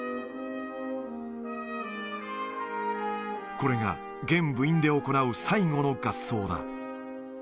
これが現部員で行う最後の合奏だ。